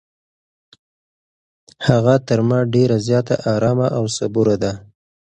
هغه تر ما ډېره زیاته ارامه او صبوره ده.